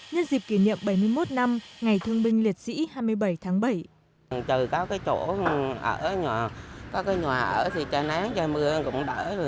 nhân dịp kỷ niệm bảy mươi một năm ngày thương binh liệt sĩ hai mươi bảy tháng bảy